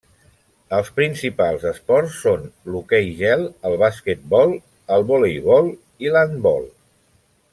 Els principals esports són l'hoquei gel, el basquetbol, el voleibol i l'handbol.